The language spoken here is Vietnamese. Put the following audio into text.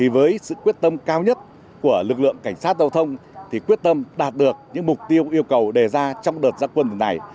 với sự quyết tâm cao nhất của lực lượng cảnh sát giao thông quyết tâm đạt được những mục tiêu yêu cầu đề ra trong đợt gia quân tuần này